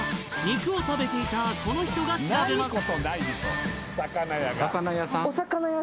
肉を食べていたこの人が調べます